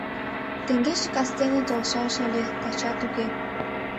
— Теҥгече кастене толшаш ыле, тачат уке.